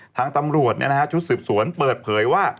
ทางตำรวจชุดสืบสวนเปิดเผยว่า